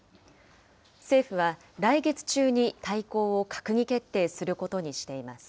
政府は来月中に、大綱を閣議決定することにしています。